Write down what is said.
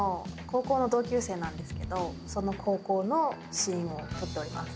高校の同級生なんですけどその高校のシーンを撮っております。